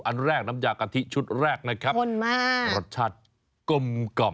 อันแรกน้ำยากะทิชุดแรกรสชาติกม